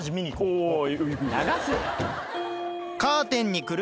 おい」